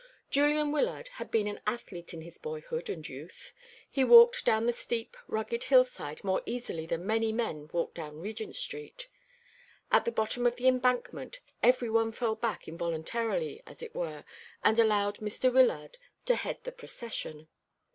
Julian Wyllard had been an athlete in his boyhood and youth. He walked down the steep, rugged hillside more easily than many men walk down Regent Street. At the bottom of the embankment every one fell back involuntarily, as it were, and allowed Mr. Wyllard to head the procession.